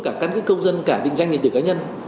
cả căn cước công dân cả định danh định tử cá nhân